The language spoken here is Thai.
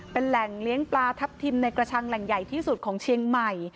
เป็นแหล่งเลี้ยงปลาทับทิมในกระชังแหล่งใหญ่ที่สุดของเชียงใหม่